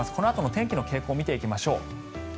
このあとの天気の傾向を見ていきましょう。